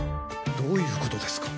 どういう事ですか？